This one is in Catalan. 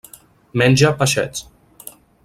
Menja peixets.